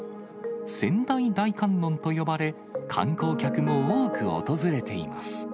仙台大観音と呼ばれ、観光客も多く訪れています。